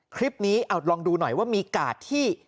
คลิปนี้ลองดูหน่อยว่ามีกาดที่